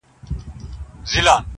چي د ارزو غوټۍ مي څرنګه خزانه سوله!.